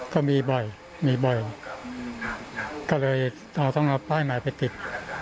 ก็มีบ่อยมีบ่อยก็เลยเราต้องเอาป้ายใหม่ไปติด